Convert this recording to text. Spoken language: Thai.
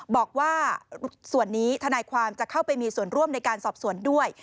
บอกว่าส่วนนี้ทนายความจะเข้าไปมีส่วนร่วมในการสอบสวนด้วย